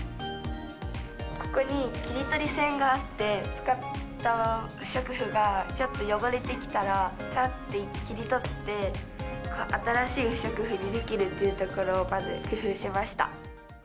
ここに切り取り線があって、使った不織布がちょっと汚れてきたら、さっと切り取って、新しい不織布にできるというところを、まず工夫しました。